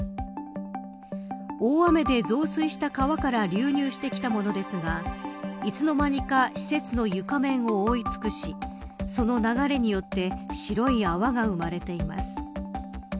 大雨で増水した川から流入してきたものですがいつの間にか施設の床面を覆い尽くしその流れによって白い泡が生まれています。